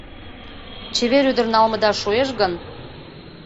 Чевер ӱдыр налмыда шуэш гын